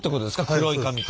黒い紙と。